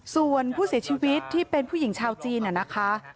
ส่วนผู้เสียชีวิตที่เป็นผู้หญิงชาวจีนนะคะ